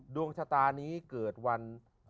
ดวงชะตานี้เกิดวัน